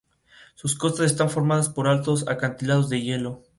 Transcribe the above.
Sus costas están formadas por altos acantilados de hielo.